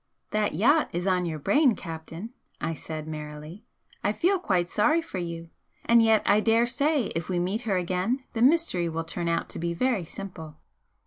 "That yacht is on your brain, Captain!" I said, merrily "I feel quite sorry for you! And yet I daresay if we meet her again the mystery will turn out to be very simple."